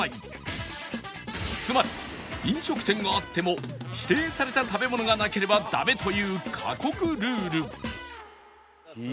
つまり飲食店があっても指定された食べ物がなければダメという過酷ルール